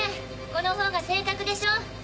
このほうが正確でしょ。